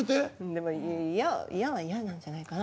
でも嫌は嫌なんじゃないかな。